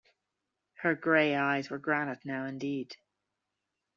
Her gray eyes were granite now indeed.